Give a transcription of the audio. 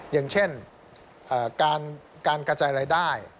อย่างเช่นการกระจายรายได้